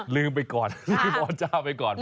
ลืมไปก่อนลืมอเจ้าไปก่อน